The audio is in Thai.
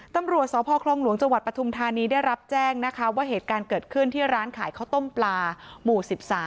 ตำรวจสพคลองหลวงจังหวัดปฐุมธานีได้รับแจ้งนะคะว่าเหตุการณ์เกิดขึ้นที่ร้านขายข้าวต้มปลาหมู่๑๓